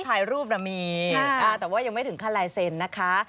ถ่ายรูปน่ะมีแต่ว่ายังไม่ถึงขั้นลายเซ็นต์นะคะ